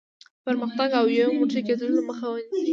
د پرمختګ او یو موټی کېدلو مخه نیسي.